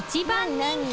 何？